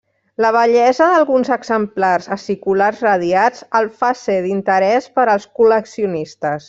La bellesa d'alguns exemplars aciculars radiats el fa ser d'interès per als col·leccionistes.